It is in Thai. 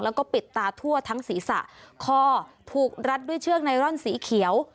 แล้วก็ปิดตาทั่วทั้งศีรษะคอถูกรัดด้วยเชือกไนรอนสีเขียว